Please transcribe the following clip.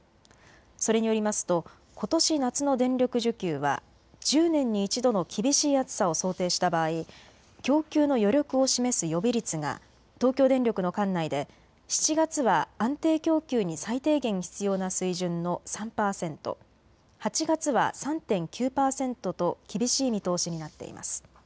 それによりますとことし夏の電力需給は１０年に一度の厳しい暑さを想定した場合、供給の余力を示す予備率が東京電力の管内で７月は安定供給に最低限必要な水準の３％、８月は３．９％と厳しい見通しになっています。